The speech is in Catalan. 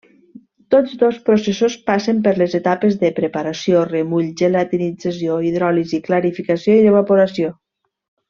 Tots dos processos passen per les etapes de: preparació, remull, gelatinització, hidròlisi, clarificació i evaporació.